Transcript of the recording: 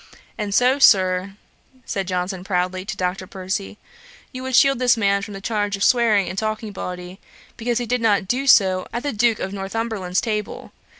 'And so, Sir, (said Johnson loudly, to Dr. Percy,) you would shield this man from the charge of swearing and talking bawdy, because he did not do so at the Duke of Northumberland's table.